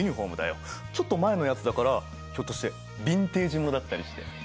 ちょっと前のやつだからひょっとしてビンテージものだったりして。